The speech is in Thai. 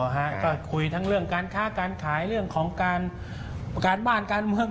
ก็คุยทั้งเรื่องการค้าการขายเรื่องของการบ้านการเมือง